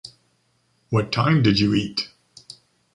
What time did you eat?